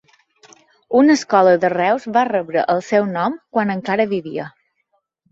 Una escola de Reus va rebre el seu nom, quan encara vivia.